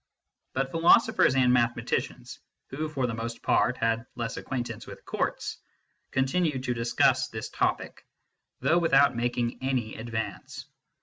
But philosophers and mathematicians who for the most part had less acquaintance with courts continued to discuss this topic, though without making any advance.